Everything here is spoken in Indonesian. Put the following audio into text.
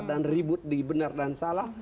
dan ribut di benar dan salah